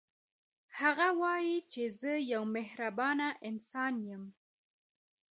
هغه وايي چې زه یو مهربانه انسان یم